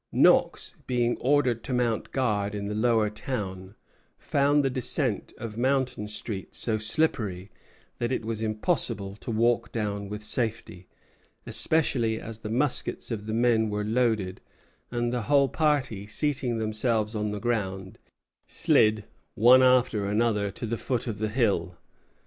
Knox, being ordered to mount guard in the Lower Town, found the descent of Mountain Street so slippery that it was impossible to walk down with safety, especially as the muskets of the men were loaded; and the whole party, seating themselves on the ground, slid one after another to the foot of the hill.